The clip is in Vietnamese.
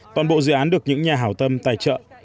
toàn bộ dự án được những nhà hảo tâm tài trợ